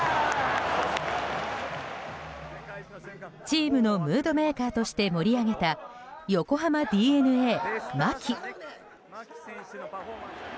チームのムードメーカーとして盛り上げた横浜ＤｅＮＡ、牧。